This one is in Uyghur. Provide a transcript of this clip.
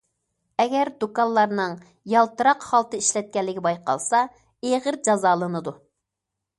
ئەگەر دۇكانلارنىڭ يالتىراق خالتا ئىشلەتكەنلىكى بايقالسا، ئېغىر جازالىنىدۇ.